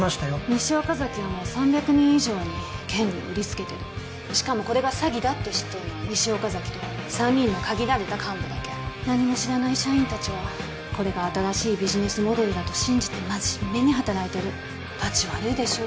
西岡崎はもう３００人以上に権利を売りつけてるしかもこれが詐欺だって知ってるのは西岡崎と三人の限られた幹部だけ何も知らない社員たちはこれが新しいビジネスモデルだと信じて真面目に働いてるタチ悪いでしょ？